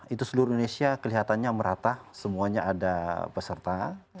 itu seluruh indonesia kelihatannya merata semuanya ada peserta